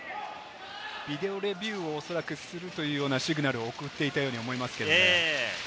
ビデオレビューをおそらくするというようなシグナルを送っていたように思いますけど。